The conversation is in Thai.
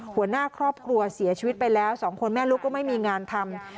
หัวหน้าครอบครัวเสียชีวิตไปแล้ว๒คนแม่ลูกก็ไม่มีงานทำ